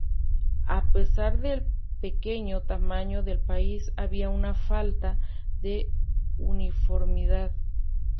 A pesar del pequeño tamaño del país, había una falta de uniformidad.